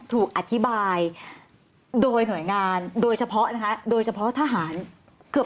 ถูกอธิบายโดยหน่วยงานโดยเฉพาะนะคะโดยเฉพาะทหารเกือบ